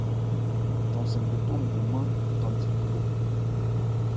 Jɔn-sɛn gotho ngbumán thandi thubhɔ.